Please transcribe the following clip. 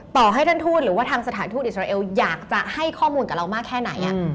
ต่อให้ท่านทูตหรือว่าทางสถานทูตอิสราเอลอยากจะให้ข้อมูลกับเรามากแค่ไหน